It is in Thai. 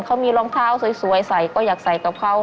เขามีรองเท้าสวยใส่ก็อยากใส่กับเขา